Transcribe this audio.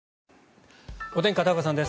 お天気片岡さんです。